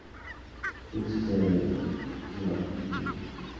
Tiene su sede en Győr, Hungría.